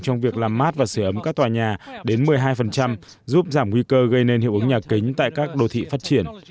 trong việc làm mát và sửa ấm các tòa nhà đến một mươi hai giúp giảm nguy cơ gây nên hiệu ứng nhà kính tại các đô thị phát triển